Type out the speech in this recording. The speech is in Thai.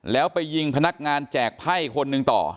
แล้วไปยิงพนักงานแจกไพ่คนหนึ่งต่อ